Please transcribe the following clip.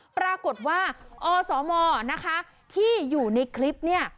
ปรากฏว่าอสมนะคะที่อยู่ในคลิปเนี่ย